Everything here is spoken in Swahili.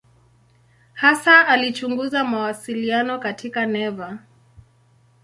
Hasa alichunguza mawasiliano katika neva.